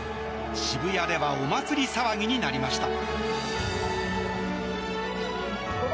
渋谷ではお祭り騒ぎになりました。